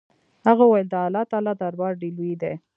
هغه وويل د الله تعالى دربار ډېر لوى دې.